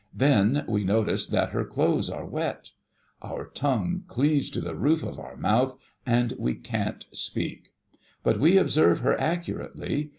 Then, we notice that her clothes are wet. Our tongue cleaves to the roof of our mouth, and we can't speak ; but, we observe her accurately.